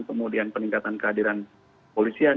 kemudian peningkatan kehadiran polisian